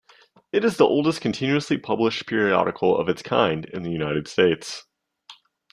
It is the oldest continuously published periodical of its kind in the United States.